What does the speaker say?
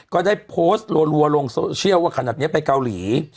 ก็ได้โพสต์รัวลงโซเชียลว่าขนาดนี้ไปเกาหลี